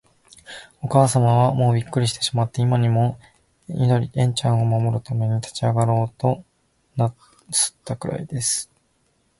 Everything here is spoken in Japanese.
おかあさまは、もうびっくりしてしまって、今にも、緑ちゃんを守るために立ちあがろうとなすったくらいです。